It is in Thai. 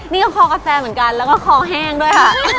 นี่ก็คอกาแฟเหมือนกันแล้วก็คอแห้งด้วยค่ะ